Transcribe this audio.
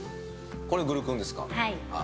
これ、グルクンですか。